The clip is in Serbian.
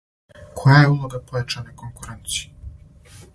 Која је улога појачане конкуренције?